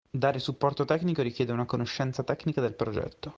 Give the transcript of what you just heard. Dare supporto tecnico richiede una conoscenza tecnica del progetto.